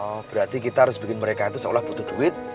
oh berarti kita harus bikin mereka itu seolah butuh duit